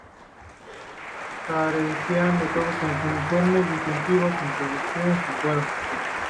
Carecían de todo uniforme, distintivos, instrucción y fuero.